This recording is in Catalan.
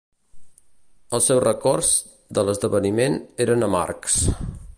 Els seus records de l'esdeveniment eren amargs.